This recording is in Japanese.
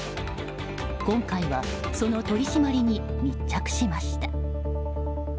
今回はその取り締まりに密着しました。